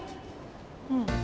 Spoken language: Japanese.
うん。